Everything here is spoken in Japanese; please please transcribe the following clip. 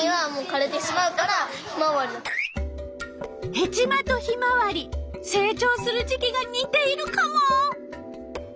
ヘチマとヒマワリ成長する時期が似ているカモ！